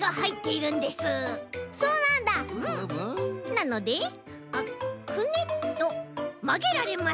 なのでくねっとまげられます。